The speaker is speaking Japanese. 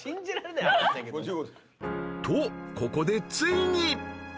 ［とここでついに］